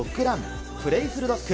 あっ、プレイフルドッグ。